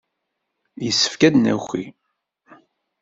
Yessefk ad d-naki.